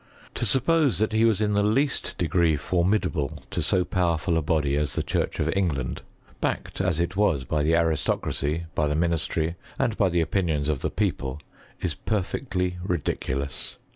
To suppose that he was in Uie least degree formidable to so powerful a body as tlut chufch of Eng land, backed as it was by the aristocracy, by the ministry, and by the opinions of the people, is perfectly ridicnious.